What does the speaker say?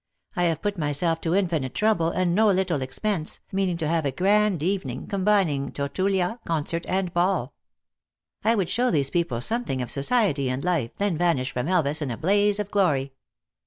I have put myself to infinite trouble and no little ex pense, meaning to have a grand evening, combining turtulia, concert and ball. I would show these peo ple something of society and life, then vanish from El v as in a blaze of glory.